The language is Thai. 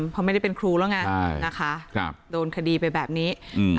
เพราะไม่ได้เป็นครูแล้วไงนะคะโดนคดีไปแบบนี้